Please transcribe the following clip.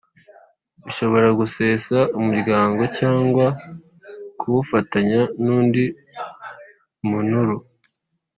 ishobora gusesa umuryango cyangwa kuwufatanya n undi munru